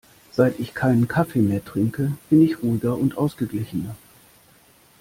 Seit ich keinen Kaffee mehr trinke, bin ich ruhiger und ausgeglichener.